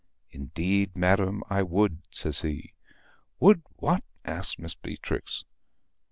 "Indeed, madam, I would," says he. "Would what?" asked Miss Beatrix.